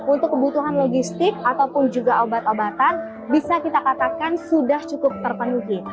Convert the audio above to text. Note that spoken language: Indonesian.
untuk kebutuhan logistik ataupun juga obat obatan bisa kita katakan sudah cukup terpenuhi